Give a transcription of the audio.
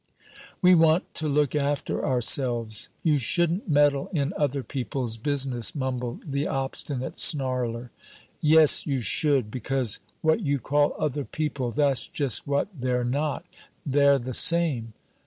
"We want to look after ourselves! You shouldn't meddle in other people's business," mumbled the obstinate snarler. "Yes, you should! Because what you call 'other people,' that's just what they're not they're the same!"